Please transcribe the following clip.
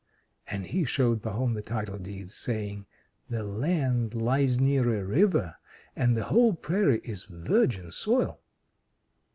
And he showed Pahom the title deeds, saying: "The land lies near a river, and the whole prairie is virgin soil."